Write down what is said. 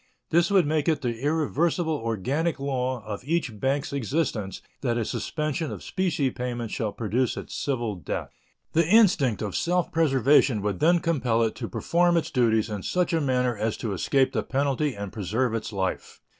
This would make it the irreversible organic law of each bank's existence that a suspension of specie payments shall produce its civil death. The instinct of self preservation would then compel it to perform its duties in such a manner as to escape the penalty and preserve its life.